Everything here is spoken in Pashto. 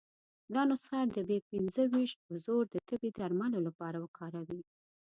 دا نسخه د بي پنځه ویشت په زور د تبې درملو لپاره وکاروي.